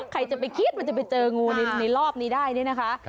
ใครจะไปคิดมันจะไปเจองูในรอบนี้ได้เนี่ยนะคะ